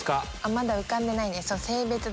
まだ浮かんでないです。